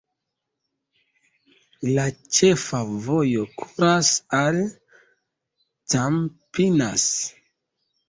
La ĉefa vojo kuras al Campinas.